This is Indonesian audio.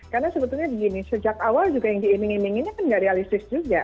karena sebetulnya sejak awal yang diiming iming ini tidak realistis juga